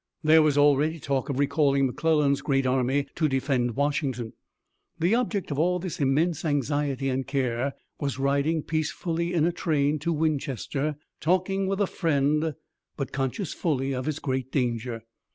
There was already talk of recalling McClellan's great army to defend Washington. The object of all this immense anxiety and care was riding peacefully in a train to Winchester, talking with a friend but conscious fully of his great danger.